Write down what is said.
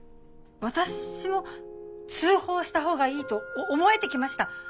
私も通報したほうがいいと思えてきました。